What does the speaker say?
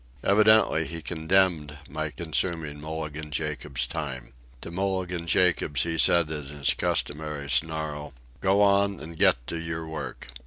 Evidently he condemned my consuming Mulligan Jacobs's time. To Mulligan Jacobs he said in his customary snarl: "Go on an' get to your work.